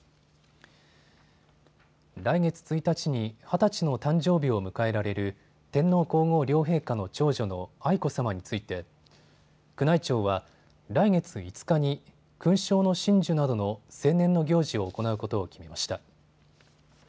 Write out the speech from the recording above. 来月１日に二十歳の誕生日を迎えられる天皇皇后両陛下の長女の愛子さまについて宮内庁は来月５日に勲章の親授などの成年の行事を行うことを決めました。